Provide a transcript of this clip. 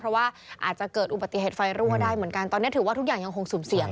เพราะว่าอาจจะเกิดอุบัติเหตุไฟรั่วได้เหมือนกันตอนนี้ถือว่าทุกอย่างยังคงสุ่มเสี่ยง